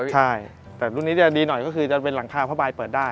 ใช่แต่รุ่นนี้จะดีหน่อยก็คือจะเป็นหลังคาผ้าใบเปิดได้